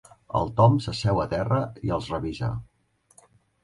El Tom s'asseu a terra i els revisa.